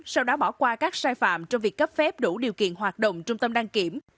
sau đó bỏ qua các sai phạm trong việc cấp phép đủ điều kiện hoạt động trung tâm đăng kiểm